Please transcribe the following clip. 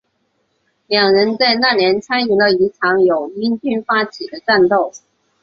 两人在那年参与了一场由英军发起的战斗。